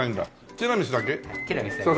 ティラミスだけですね。